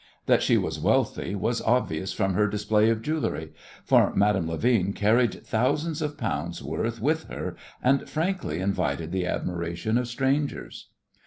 That she was wealthy was obvious from her display of jewellery, for Madame Levin carried thousands of pounds worth with her and frankly invited the admiration of strangers.